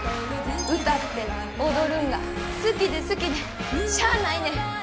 歌って踊るんが好きで好きでしゃあないねん。